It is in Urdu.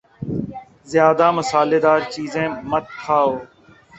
زیادہ مصالہ دار چیزیں مت کھاؤ